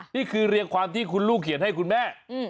นี่คือเรียงความที่คุณลูกเขียนให้คุณแม่